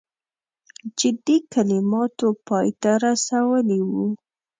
جدي کلماتو پای ته رسولی وو.